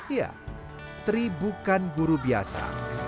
ya tri bukan guru biasa